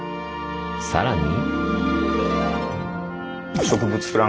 さらに。